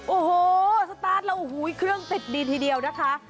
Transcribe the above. โอ้โหปัจจุแล้วเครื่องเศ็ดดีทีเดียวนะคะ